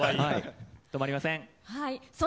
止まりません。